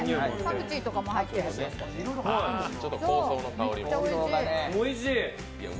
パクチーとかも入ってるし、めっちゃおいしい。